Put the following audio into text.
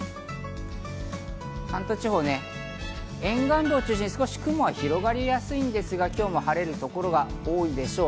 関東地方、沿岸部を中心に少し雲が広がりやすいですが今日も晴れる所が多いでしょう。